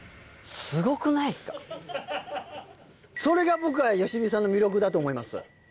それが僕は良純さんの魅力だと思います。